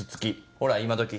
ほら今どき